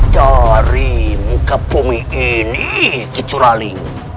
dari muka bumi ini kecuali